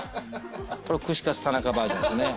串カツ田中バージョンですね。